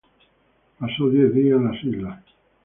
Pasó diez días en las islas.